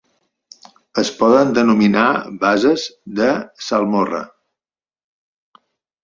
Es poden denominar basses de salmorra.